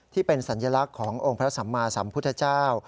ที่เป็นสัญลักษณ์ขององค์พระสัมมาสัมพุทธเจ้า